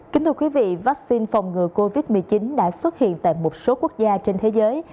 kính thưa quý vị vaccine phòng ngừa covid một mươi chín đã xuất hiện tại một số quốc gia trên thế giới